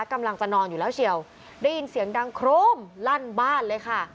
กำลังจะนอนอยู่แล้วเชียวได้ยินเสียงดังโครมลั่นบ้านเลยค่ะ